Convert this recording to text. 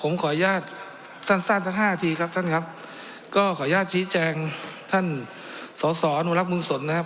ผมขออนุญาตสั้นสั้นสักห้าทีครับท่านครับก็ขออนุญาตชี้แจงท่านสอสออนุรักษ์มือสนนะครับ